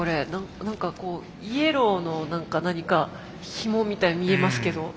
何かこうイエローの何かひもみたいの見えますけど。